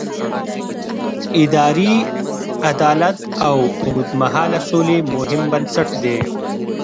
اداري عدالت د اوږدمهاله سولې مهم بنسټ دی